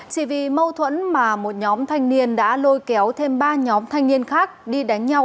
chỉ vì mâu thuẫn mà một nhóm thanh niên đã lôi kéo thêm ba nhóm thanh niên khác đi đánh nhau